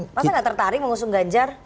masa gak tertarik mengusung ganjar